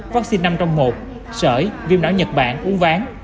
vaccine năm trong một sởi viêm não nhật bản uống ván